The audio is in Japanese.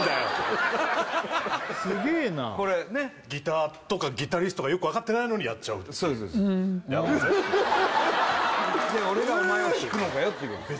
すげえなこれねっギターとかギタリストがよく分かってないのにやっちゃうで俺がおまえを弾くのかよっていうことです